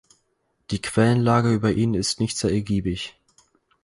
Die Quellenlage über ihn ist nicht sehr ergiebig.